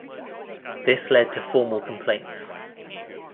This led to formal complaints.